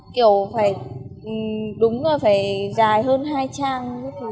kiểu phải đúng là phải dài hơn hai trang